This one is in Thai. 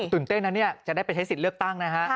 ตื่นเต้นนะเนี่ยจะได้ไปใช้สิทธิ์เลือกตั้งนะฮะ